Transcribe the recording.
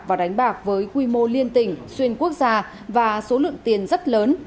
và đánh bạc với quy mô liên tỉnh xuyên quốc gia và số lượng tiền rất lớn